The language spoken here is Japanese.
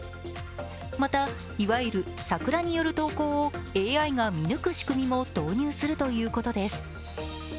また、いわゆるサクラによる投稿をＡＩが見抜く仕組みも導入するということです。